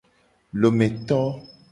Lometo.